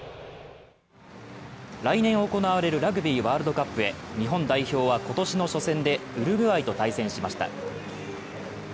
来年行われるラグビーワールドカップへ、日本代表は今年の初戦でウルグアイと対戦しました。